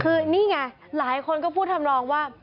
คือนี่ไงหลายคนก็พูดทำนองว่า